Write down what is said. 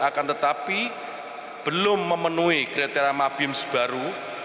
akan tetapi belum memenuhi kriteria mabim sebaru